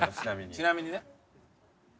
ちなみにね。